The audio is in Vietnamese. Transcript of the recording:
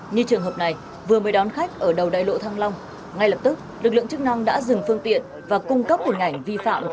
như trường hợp này vừa mới đón khách ở đầu đại lộ thăng long ngay lập tức lực lượng chức năng đã dừng phương tiện và cung cấp hình ảnh vi phạm